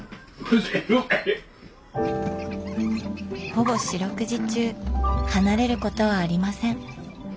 ほぼ四六時中離れることはありません。